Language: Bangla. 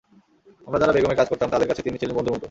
আমরা যাঁরা বেগম-এ কাজ করতাম, তাঁদের কাছে তিনি ছিলেন বন্ধুর মতো।